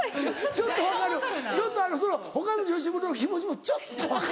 ちょっと分かるその他の女子の気持ちもちょっと分かる。